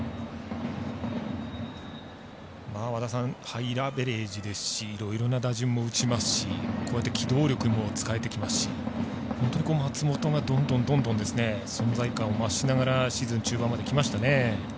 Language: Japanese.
ハイアベレージですしいろいろな打順も打ちますしこうやって機動力も使えてきますし本当に松本がどんどん存在感を増しながらシーズン中盤まできましたね。